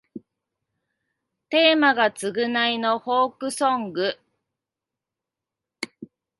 テーマが償いのフォークソング